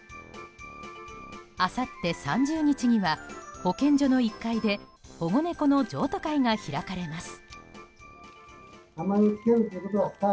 あさって３０日には保健所の１階で保護猫の譲渡会が開かれます。